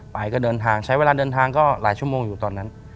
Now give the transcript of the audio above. ไปก็เดินทางใช้เวลาเดินทางก็หลายชั่วโมงอยู่ตอนนั้น